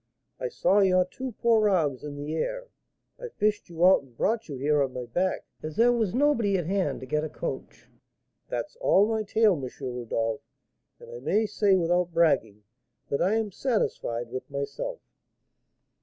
I saw your two poor arms in the air. I fished you out and brought you here on my back, as there was nobody at hand to get a coach. That's all my tale, M. Rodolph; and I may say, without bragging, that I am satisfied with myself."